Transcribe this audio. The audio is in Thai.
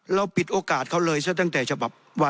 แล้วปิดโอกาสเค้าเลยใยถึงแต่ฉบับ